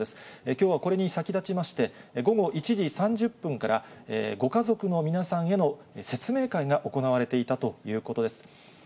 きょうはこれに先立ちまして、午後１時３０分から、ご家族の皆さんへの説明会が行われていたということです。